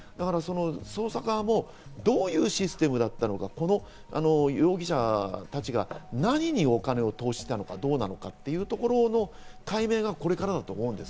捜査側もどういうシステムだったのか、この容疑者達が何にお金を投資したのかどうなのかというところの解明がこれからだと思うんです。